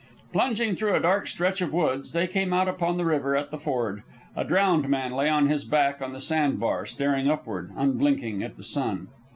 Plunging through a dark stretch of woods, they came out upon the river at the ford. A drowned man lay on his back on the sand bar, staring upward, unblinking, at the sun.